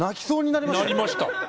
なりました。